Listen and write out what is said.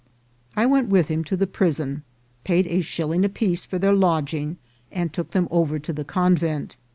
I went with him to the prison, paid a shilling apiece for their lodging, and took them over to the convent.